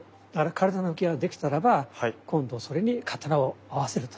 体の動きができたらば今度それに刀を合わせると。